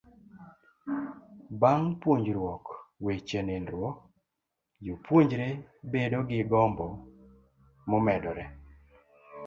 Bang' puonjruok weche nindruok, jopuonjre bedo gi gombo momedore.